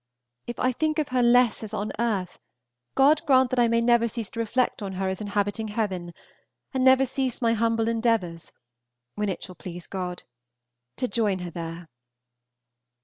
If I think of her less as on earth, God grant that I may never cease to reflect on her as inhabiting heaven, and never cease my humble endeavors (when it shall please God) to join her there.